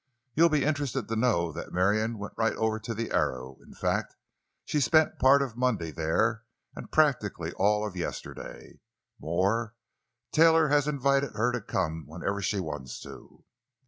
You'll be interested to know that Marion went right over to the Arrow—in fact, she spent part of Monday there, and practically all of yesterday. More, Taylor has invited her to come whenever she wants to."